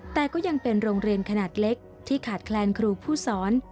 แต่ก็ยังเป็นโรงเรียนขนาดเล็กที่ขาดแคลนครูผู้สอน